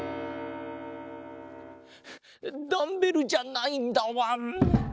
ダンベルじゃないんだわん。